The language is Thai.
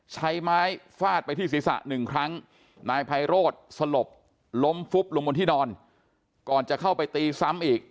ใช้ไม้ฟาดไปที่ศีรษะหนึ่งครั้งนายไพโรธสลบล้มฟุบลงบนที่นอนก่อนจะเข้าไปตีซ้ำอีก